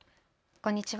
こんにちは。